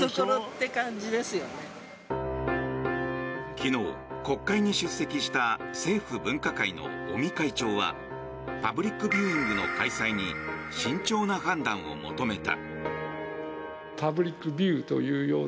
昨日、国会に出席した政府分科会の尾身会長はパブリックビューイングの開催に慎重な判断を求めた。